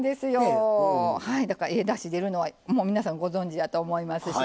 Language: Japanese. だからええだし出るのはもう皆さんご存じやと思いますしね。